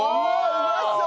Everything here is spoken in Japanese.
うまそう！